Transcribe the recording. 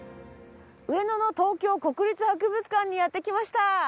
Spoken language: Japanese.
上野の東京国立博物館にやって来ました。